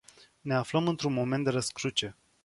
Ne aflăm într-un moment de răscruce.